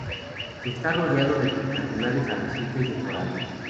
Está rodeado de espectaculares arrecifes de coral.